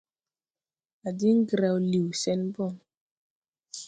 A din graw liw sen bon.